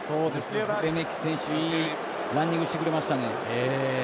レメキ選手いいランニングしてくれましたね。